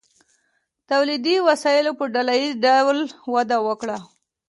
تولیدي وسایلو په ډله ایز ډول وده وکړه.